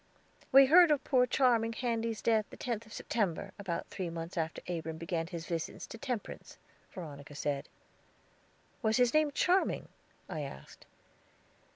"We heard of poor Charming Handy's death the tenth of September, about three months after Abram began his visits to Temperance," Veronica said. "Was his name Charming?" I asked.